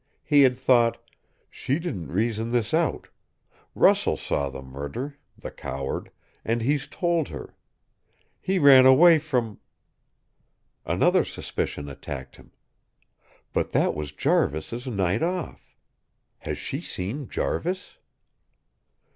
He had thought: "She didn't reason this out. Russell saw the murder the coward and he's told her. He ran away from " Another suspicion attacked him: "But that was Jarvis' night off. Has she seen Jarvis?"